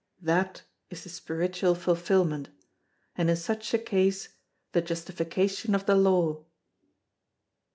That is the spiritual fulfilment, and in such a case the justification of the law."